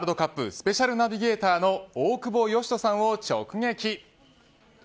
スペシャルナビゲーターの大久保嘉人さんを直撃。